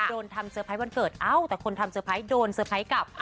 โดนทำเซอร์ไพรส์วันเกิดเอ้าแต่คนทำเตอร์ไพรส์โดนเตอร์ไพรส์กลับ